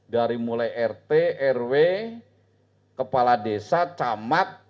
dari mulai rt rw kepala desa camat